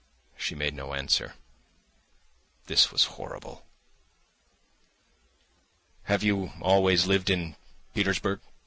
She made no answer. This was horrible. "Have you always lived in Petersburg?"